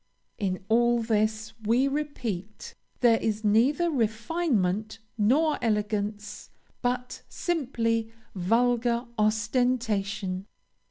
In all this, we repeat, there is neither refinement nor elegance, but simply vulgar ostentation.